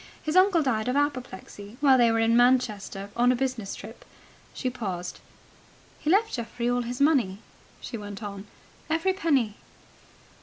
His uncle died of apoplexy, while they were in Manchester on a business trip." She paused. "He left Geoffrey all his money," she went on. "Every penny."